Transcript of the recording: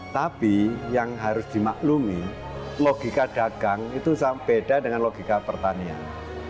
tapi yang harus dimaklumi logika dagang itu beda dengan logika pertanian